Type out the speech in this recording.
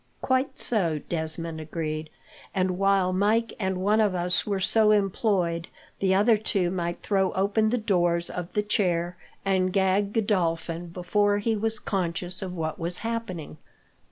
"Quite so," Desmond agreed; "and while Mike and one of us were so employed, the other two might throw open the doors of the chair, and gag Godolphin before he was conscious of what was happening."